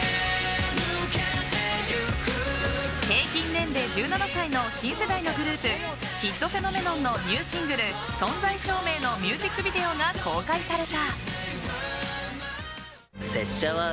平均年齢１７歳の新世代のグループＫＩＤＰＨＥＮＯＭＥＮＯＮのニューシングル「存在証明」のミュージックビデオが公開された。